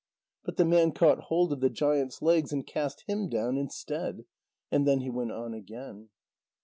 But the man caught hold of the giant's legs and cast him down instead. And then he went on again.